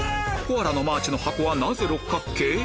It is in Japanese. コアラのマーチの箱はなぜ六角形？